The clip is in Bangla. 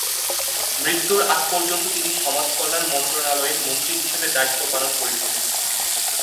মৃত্যুর আগ পর্যন্ত তিনি সমাজকল্যাণ মন্ত্রণালয়ের মন্ত্রী হিসেবে দায়িত্ব পালন করছিলেন।